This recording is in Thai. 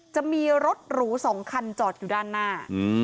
จะมีรถหรู๒คันจอดอยู่ด้านหน้า